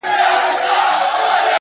مثبت فکر د هیلو تخم کرل دي,